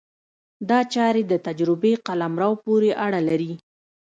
دا چارې د تجربې قلمرو پورې اړه لري.